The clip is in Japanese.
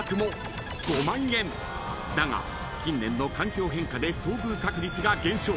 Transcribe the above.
［だが近年の環境変化で遭遇確率が減少］